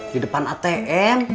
di depan atm